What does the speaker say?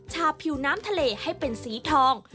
ผิวน้ำทะเลให้เป็นสีทอง